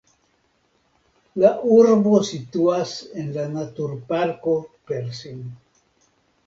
La urbo situas en la Naturparko Persin.